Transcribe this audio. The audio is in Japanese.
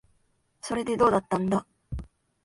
それで、どうだったんだ。